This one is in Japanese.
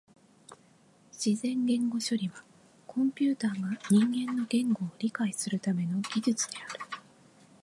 自然言語処理はコンピュータが人間の言語を理解するための技術である。